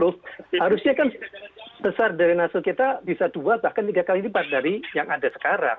harusnya kan besar drenase kita bisa dua bahkan tiga kali lipat dari yang ada sekarang